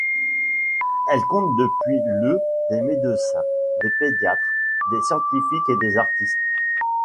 Elle compte depuis le des médecins, des pédiatres, des scientifiques et des artistes.